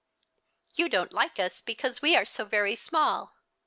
" Yon don't like ns because we are so very small.